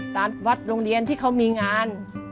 ตัดวัดโรงเรียนที่เขามีงาน